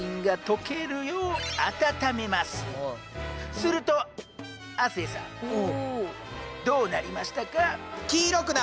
すると亜生さんどうなりましたか？